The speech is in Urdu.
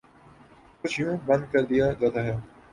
کچھ یوں بند کردیا جاتا ہے